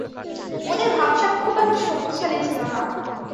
ওদের ভাবসাব খুব একটা শক্তিশালী ছিল না।